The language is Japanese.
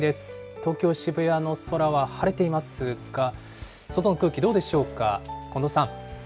東京・渋谷の空は晴れていますが、外の空気どうでしょうか、近藤さん。